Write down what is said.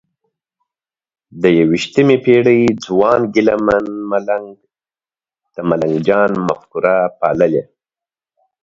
د یویشتمې پېړۍ ځوان ګیله من ملنګ د ملنګ جان مفکوره پاللې؟